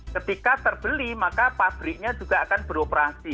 ketika terbeli maka pabriknya juga akan beroperasi